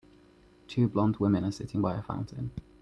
Two blond women are sitting by a fountain.